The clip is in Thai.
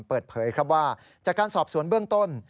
เปิดเผยครับว่าจากการสอบสวนเบื้องต้น